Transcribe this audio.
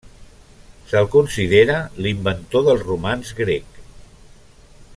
Se'l considera l'inventor del romanç grec.